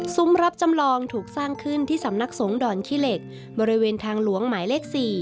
รับจำลองถูกสร้างขึ้นที่สำนักสงฆ์ดอนขี้เหล็กบริเวณทางหลวงหมายเลข๔